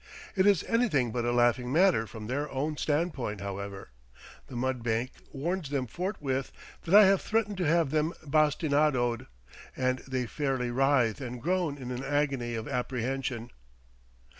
It is anything but a laughing matter from their own standpoint, however; the mudbake warns them forthwith that I have threatened to have them bastinadoed, and they fairly writhe and groan in an agony of apprehension.